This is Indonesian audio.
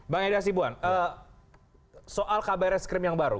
bang edi hasibuan soal kabar reskrim yang baru